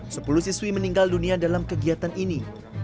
sepuluh siswi meninggal dunia dalam kegiatan ini